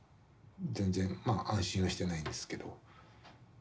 全然まあ安心はしてないんですけど。